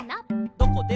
「どこでも」